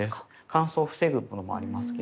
乾燥を防ぐのもありますけれど。